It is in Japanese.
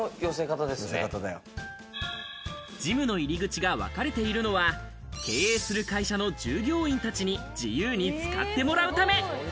ジムの入り口がわかれているのは経営する会社の従業員たちに自由に使ってもらうため。